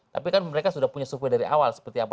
tapi kan mereka sudah punya survei dari awal seperti apa